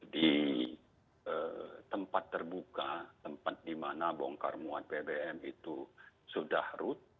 di tempat terbuka tempat di mana bongkar muat bbm itu sudah rut